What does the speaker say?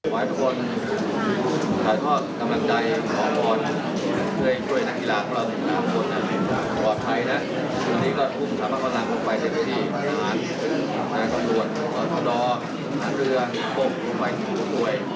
มีสมภาพอุงหอบที่ประสุนในตัวได้ขอบพร้อมให้กับพวกใครด้วย